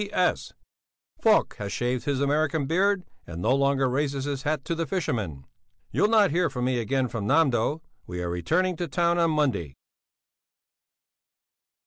B. P.S. Falk has shaved his American beard and no longer raises his hat to the fishermen. You'll not hear from me again from Nämdö. We are returning to town on Monday.